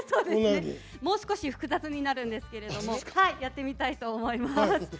もう少し複雑になるんですけどもやってみたいと思います。